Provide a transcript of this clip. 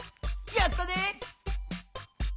やったね！